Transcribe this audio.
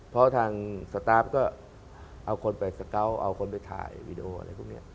เพราะทางสตาร์ฟก็เอาคนไปสเกาะเอาคนไปถ่ายวีดีโออะไรพวกนี้